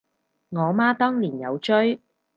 我媽當年有追